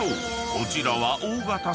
こちらは］